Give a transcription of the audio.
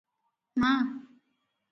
ମା!